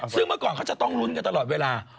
ซึ่งเมื่อก่อนเขาจะต้องลุ้นกันตลอดเวลา